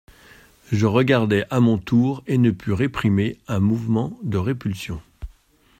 Je regardai à mon tour, et je ne pus réprimer un mouvement de répulsion.